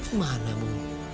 aku ingin mengakibat ibu